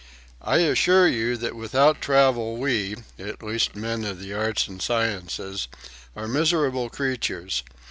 "I assure you that without travel we (at least men of the arts and sciences) are miserable creatures.